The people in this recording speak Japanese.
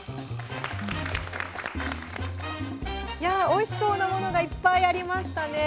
おいしそうなものがいっぱいありましたね。